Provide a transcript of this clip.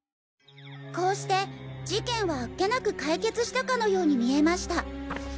「こうして事件はあっけなく解決したかのように見えました。